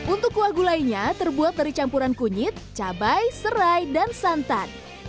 untuk kuah gulainya terbuat dari campuran kunyit cabai serai dan santan